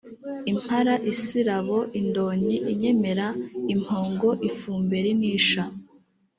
impara, isirabo, indonyi, inyemera, impongo, ifumberi n’isha.